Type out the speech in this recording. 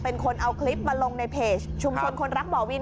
เป็นคนเอาคลิปมาลงในเพจชุมชนคนรักบ่อวิน